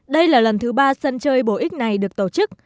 đây là lần thứ ba sân chơi bổ ích này được tổ chức